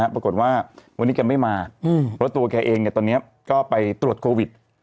ปรากฏว่าวันนี้แกไม่มาเพราะตัวแกเองตอนนี้ก็ไปตรวจโควิด